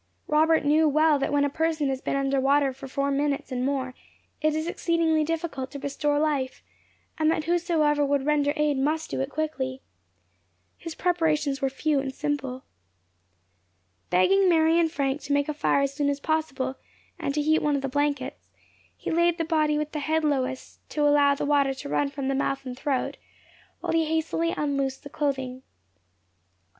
Robert knew well that when a person has been under water four minutes and more it is exceedingly difficult to restore life, and that whosoever would render aid must do it quickly. His preparations were few and simple. Begging Mary and Frank to make a fire as soon as possible, and to heat one of the blankets, he laid the body with the head lowest, to allow the water to run from the mouth and throat, while he hastily unloosed the clothing.